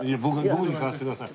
僕に買わせてください。